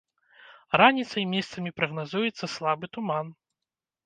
Раніцай месцамі прагназуецца слабы туман.